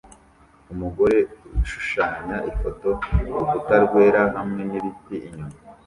Umugore ushushanya ifoto kurukuta rwera hamwe nibiti inyuma